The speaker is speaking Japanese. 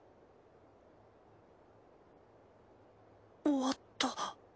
終わった。